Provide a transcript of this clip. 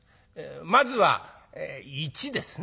まずは「一」ですね。